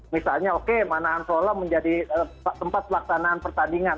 misalnya oke manahan solo menjadi tempat pelaksanaan pertandingan